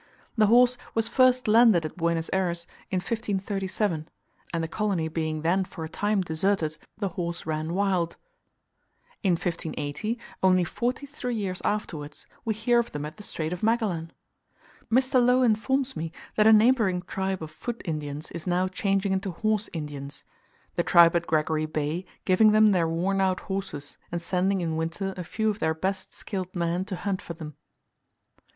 The horse was first landed at Buenos Ayres in 1537, and the colony being then for a time deserted, the horse ran wild; in 1580, only forty three years afterwards, we hear of them at the Strait of Magellan! Mr. Low informs me, that a neighbouring tribe of foot Indians is now changing into horse Indians: the tribe at Gregory Bay giving them their worn out horses, and sending in winter a few of their best skilled men to hunt for them.